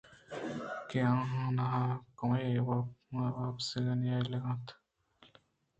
کہ آآہاناں کمّے ہم وپسگ نئیلگ ءَ اَت